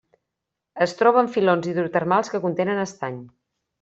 Es troba en filons hidrotermals que contenen estany.